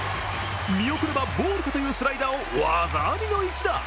見送ればボールかというスライダーを技ありの一打。